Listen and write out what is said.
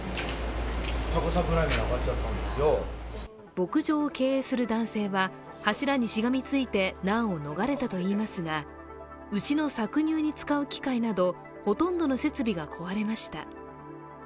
牧場を経営する男性は柱にしがみついて難を逃れたといいますが牛の搾乳に使う機械などほとんどの設備が壊れました。